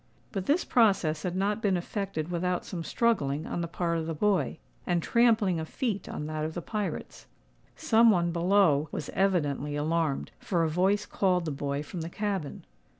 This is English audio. But this process had not been effected without some struggling on the part of the boy, and trampling of feet on that of the pirates. Some one below was evidently alarmed, for a voice called the boy from the cabin.